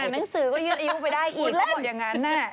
หนังสือก็ยืดอายุไปได้อีกเขาบอกอย่างนั้น